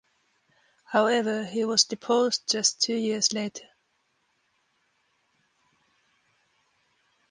However, he was deposed just two years later.